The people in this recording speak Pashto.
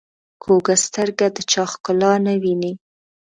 کوږه سترګه د چا ښکلا نه ویني